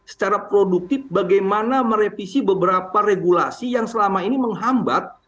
secara produktif bagaimana merevisi beberapa regulasi yang selama ini menghambat